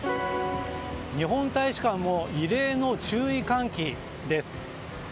日本大使館も異例の注意喚起です。